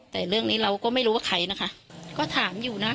แต่เรื่องนี้เราก็ไม่รู้ว่าใครนะคะก็ถามอยู่นะ